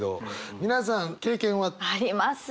皆さん経験は？あります。